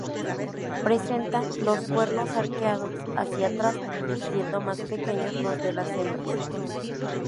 Presentan los cuernos arqueados hacia atrás, siendo más pequeños los de las hembras.